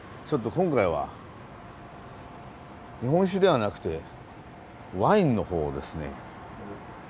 今回は日本酒ではなくてワインの方をですね